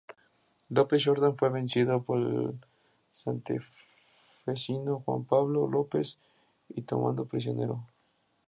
López Jordán fue vencido por el santafesino Juan Pablo López y tomado prisionero.